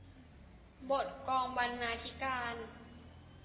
บทกองบรรณาธิการ